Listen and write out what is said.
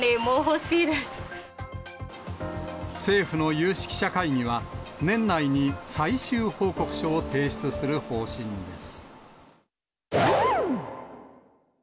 政府の有識者会議は、年内に最終報告書を提出する方針です。